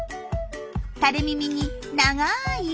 垂れ耳に長い毛。